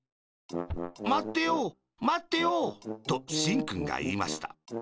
「まってよまってよ」としんくんがいいました。